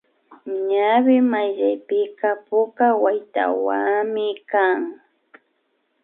Ñawi mayllapika puka waytawami kan